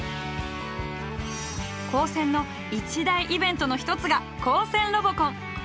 高専の一大イベントの一つが高専ロボコン。